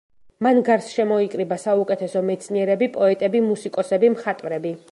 მან გარს შემოიკრიბა საუკეთესო მეცნიერები, პოეტები, მუსიკოსები, მხატვრები.